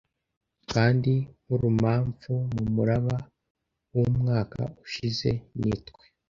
Kandi nkurumamfu mumuraba wumwaka ushize nitwe